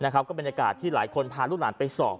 ก็บรรยากาศที่หลายคนพาลูกหลานไปสอบ